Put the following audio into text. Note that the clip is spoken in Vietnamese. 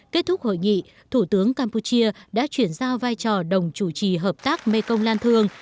kết thúc hội nghị thủ tướng campuchia đã chuyển giao vai trò đồng chủ trì hợp tác mekong lan thương